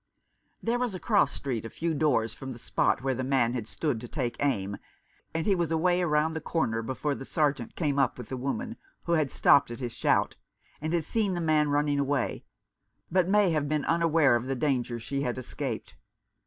There was a cross street a few doors from the spot where the man had stood to take aim, and he was away round the corner before the Sergeant came up with the woman, who had stopped at his shout, and had seen the man running away, but may have been unaware of the danger she had escaped.